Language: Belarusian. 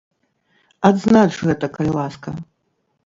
Адзнач гэта, калі ласка.